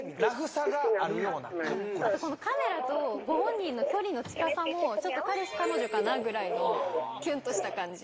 あとこのカメラとご本人の距離の近さもちょっと彼氏彼女かなぐらいのキュンとした感じ